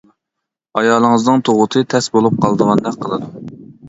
-ئايالىڭىزنىڭ تۇغۇتى تەس بولۇپ قالىدىغاندەك قىلىدۇ.